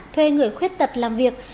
thuê người khuyết tật làm việc